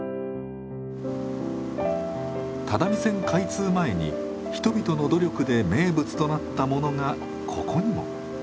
只見線開通前に人々の努力で名物となったものがここにも。